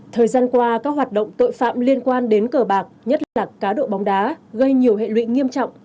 thời gian qua các hoạt động tội phạm liên quan đến cờ bạc nhất là cá độ bóng đá gây nhiều hệ lụy nghiêm trọng